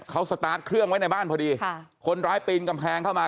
เขาสตาร์ทเครื่องไว้ในบ้านพอดีค่ะคนร้ายปีนกำแพงเข้ามา